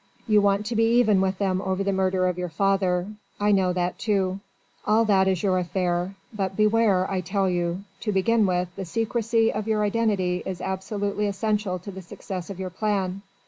You want to be even with them over the murder of your father. I know that too. All that is your affair. But beware, I tell you. To begin with, the secrecy of your identity is absolutely essential to the success of your plan.